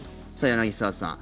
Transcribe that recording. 柳澤さん